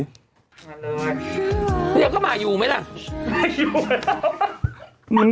เดี๋ยวเข้ามาอยู่ไหมละ